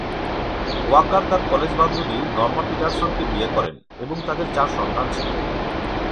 ওয়াকার তার কলেজ বান্ধবী নর্মা পিটারসনকে বিয়ে করেন এবং তাদের চার সন্তান ছিল।